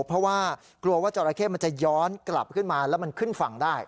เพราะว่ากลัวว่าจราเข้มันจะย้อนกลับขึ้นมาแล้วมันขึ้นฝั่งได้